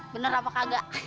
bener apa kagak